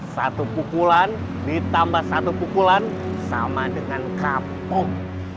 satu pukulan ditambah satu pukulan sama dengan kapuk